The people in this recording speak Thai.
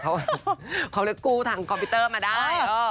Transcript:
เขาเลยกู้ทางคอมพิวเตอร์มาได้